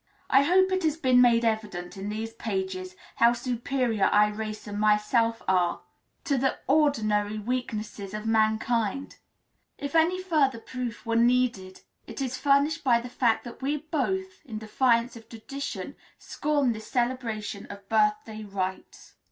I hope it has been made evident in these pages how superior Irais and myself are to the ordinary weaknesses of mankind; if any further proof were needed, it is furnished by the fact that we both, in defiance of tradition, scorn this celebration of birthday rites.